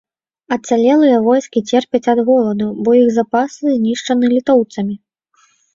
Ацалелыя войскі церпяць ад голаду, бо іх запасы знішчаны літоўцамі.